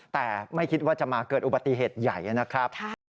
แต่ไม่คิดว่าจะมาเกิดอุบัติเหตุใหญ่นะครับ